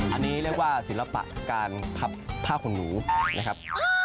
อันนี้เรียกว่าศิลปะการพับผ้าขนหนูนะครับ